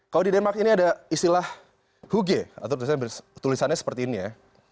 kalau di denmark ini ada istilah huge atau tulisannya seperti ini ya